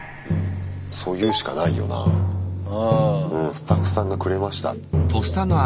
スタッフさんがくれました。